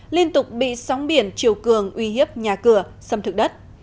liên tục bị sóng biển chiều cường uy hiếp nhà cửa xâm thực đất